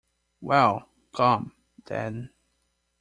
Well, come, then.